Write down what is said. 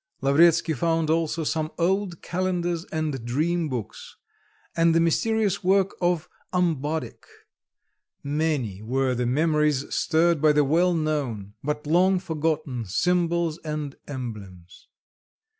Lavretsky found also some old calendars and dream books, and the mysterious work of Ambodik; many were the memories stirred by the well known; but long forgotten Symbols and Emblems.